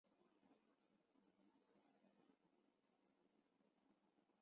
伏龙寺是义井村兴建的佛教寺院。